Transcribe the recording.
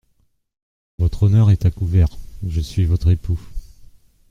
Votre honneur est à couvert, je suis votre époux.